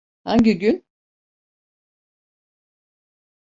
Hangi gün?